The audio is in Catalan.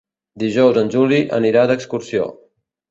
Dijous en Juli anirà d'excursió.